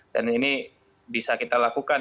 dan ini bisa kita lakukan